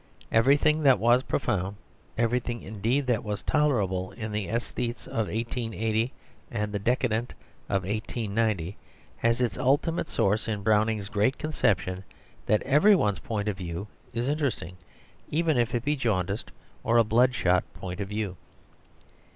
Everything that was profound, everything, indeed, that was tolerable in the aesthetes of 1880, and the decadent of 1890, has its ultimate source in Browning's great conception that every one's point of view is interesting, even if it be a jaundiced or a blood shot point of view.